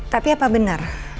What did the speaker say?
tapi apa benar